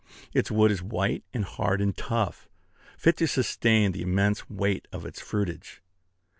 Its wood is white and hard and tough, fit to sustain the immense weight of its fruitage.